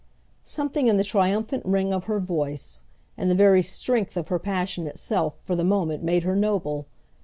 Something in the triumphant ring of her voice, in the very strength of her passion itself, for the moment made her noble.